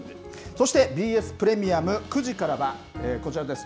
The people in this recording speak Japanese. そしてＢＳプレミアム、９時からは、こちらです。